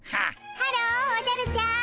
ハローおじゃるちゃん。